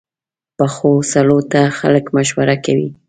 پخو سړو ته خلک مشوره کوي